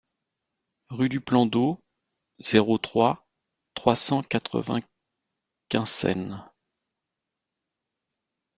Rue du Plan d'Eau, zéro trois, trois cent quatre-vingts Quinssaines